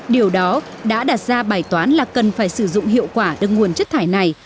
điều đó đã đặt ra bài toán là cần phải sử dụng hiệu quả được nguồn chất thải này